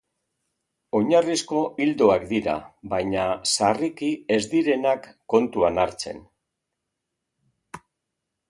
Oinarrizko ildoak dira, baina sarriki ez direnak kontuan hartzen.